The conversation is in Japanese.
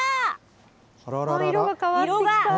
色が変わってきた。